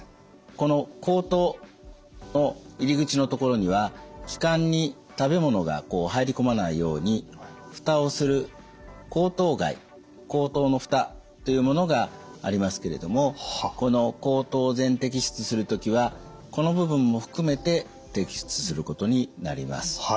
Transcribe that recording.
この喉頭の入り口の所には気管に食べ物が入り込まないように蓋をする喉頭蓋喉頭の蓋というものがありますけれどもこの喉頭を全摘出する時はこの部分も含めて摘出することになります。